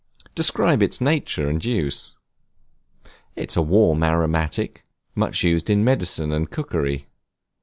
Describe its nature and use. It is a warm aromatic, much used in medicine and cookery.